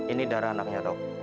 ini darah anaknya dok